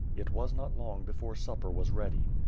It was not long before supper was ready.